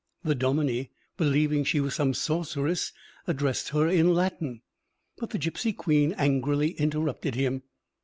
The dominie, believing she was some sorceress, addressed her in Latin, but the gipsy queen angrily interrupted him.